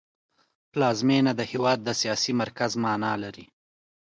پلازمېنه د هېواد د سیاسي مرکز مانا لري